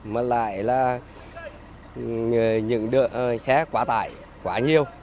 mà lại là những xe quá tải quá nhiều